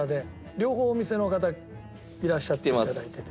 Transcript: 両方お店の方いらっしゃって頂いてて。